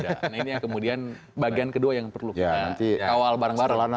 nah ini yang kemudian bagian kedua yang perlu kita kawal bareng bareng